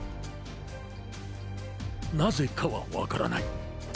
なぜかはわからない。